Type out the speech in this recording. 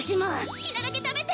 好きなだけ食べて！